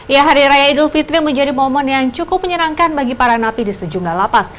ya hari raya idul fitri menjadi momen yang cukup menyenangkan bagi para napi di sejumlah lapas